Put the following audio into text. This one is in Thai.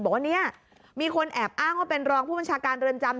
บอกว่าเนี่ยมีคนแอบอ้างว่าเป็นรองผู้บัญชาการเรือนจำ